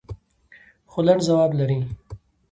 خو لنډ ځواب لري.